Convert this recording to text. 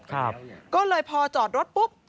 ก็เลยพอจอดรถปุ๊บ